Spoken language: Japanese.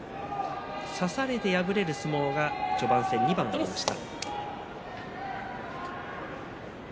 差されて敗れる相撲が序盤戦２番ありました。